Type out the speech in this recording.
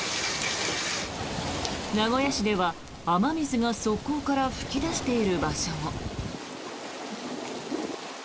名古屋市では雨水が側溝から噴き出している場所も。